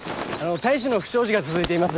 隊士の不祥事が続いています。